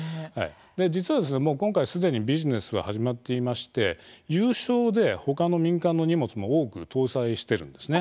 実はですね、もう今回すでにビジネスは始まっていまして有償で他の民間の荷物も多く搭載しているんですね。